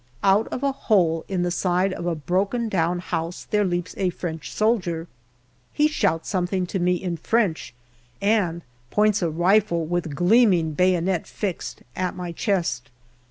Out of a hole in the side of a broken down house there leaps a French soldier. He shouts something to me in French and points a rifle, with gleaming bayonet fixed, at my chest.